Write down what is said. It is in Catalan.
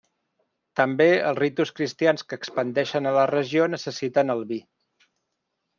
També, els ritus cristians que expandeixen a la regió necessiten el vi.